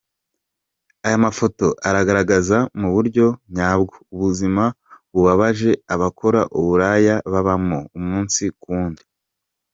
Aya mafoto aragaragaza mu buryo nyabwo ubuzima bubabaje abakora uburaya babamo umunsi ku wundi.